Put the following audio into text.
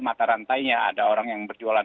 mata rantainya ada orang yang berjualan